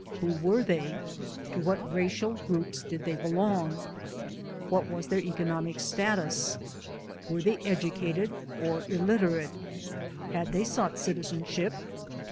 Who were they? To what racial groups did they belong? What was their economic status? Were they educated or illiterate? Had they sought citizenship?